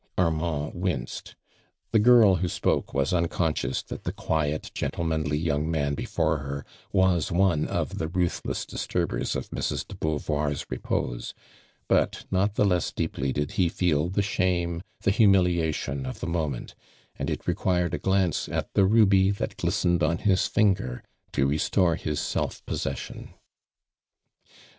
.Vrmand winced. The girl who spokft was unconscious that the quiet, gentlemanly young man before her, was one of the ruth less disturbers of Mrs. de Beau voir" s repose, but, not the less deeply did he feel the shame, the humiliation of the moment, and it required a gftince at the ruby that glis tened on his finger, to restore liis self pos session.